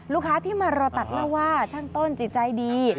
ลูกค้าที่มารอตัดเล่าว่าช่างต้นจิตใจดี